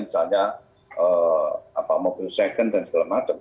misalnya mobil second dan segala macam